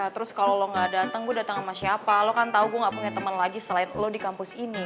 terus kalo lo gak dateng gue dateng sama siapa lo kan tau gue gak punya temen lagi selain lo di kampus ini